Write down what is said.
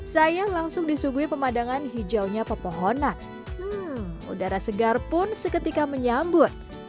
saya langsung disuguhi pemandangan hijaunya pepohonan udara segar pun seketika menyambut